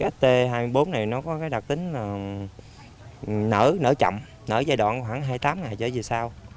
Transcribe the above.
st hai mươi bốn này có đặc tính nở chậm nở giai đoạn khoảng hai mươi tám ngày trở về sau